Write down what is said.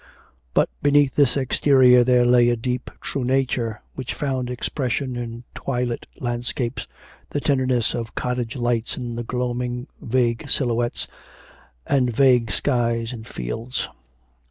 But beneath this exterior there lay a deep, true nature, which found expression in twilit landscapes, the tenderness of cottage lights in the gloaming, vague silhouettes, and vague skies and fields.